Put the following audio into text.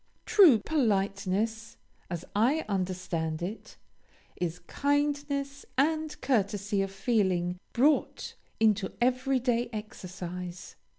True politeness, as I understand it, is kindness and courtesy of feeling brought into every day exercise.